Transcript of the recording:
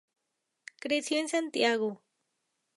Creció en Santiago.